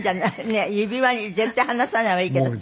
ねえ指輪に絶対離さないはいいけど。